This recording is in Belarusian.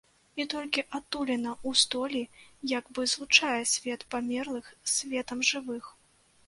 І толькі адтуліна ў столі як бы злучае свет памерлых з светам жывых.